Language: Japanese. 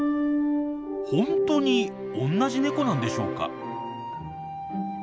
本当に同じネコなんでしょうか？